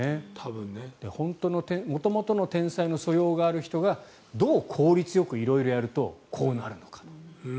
本当の元々の天才の素養がある人がどう効率よく、色々やるとこうなるのか。